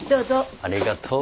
ありがとう。